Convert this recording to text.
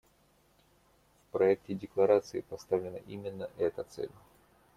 В проекте декларации поставлена именно эта цель.